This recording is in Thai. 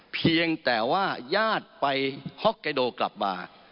เพียงแต่ว่าญาติไปฮอกไกโดกลับมา